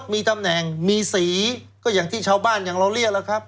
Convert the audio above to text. มีตำแหน่งมีสีก็อย่างที่ชาวบ้านอย่างเราเรียกแล้วครับ